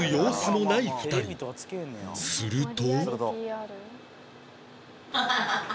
すると